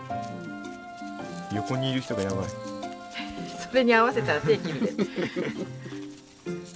それに合わせたら手切るで。